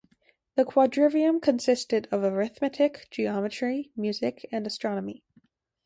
The quadrivium consisted of arithmetic, geometry, music and astronomy.